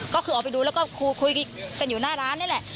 ก็คือออกไปดูแล้วก็คุยกันอยู่หน้าร้านนี่แหละ